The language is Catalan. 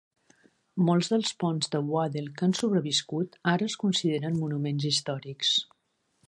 Molts dels ponts de Waddell que han sobreviscut ara es consideren monuments històrics.